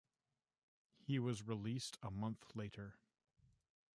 He was released a month later.